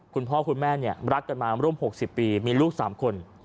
คุณพ่อคุณแม่รักกันมาร่วม๖๐ปีมีลูก๓คน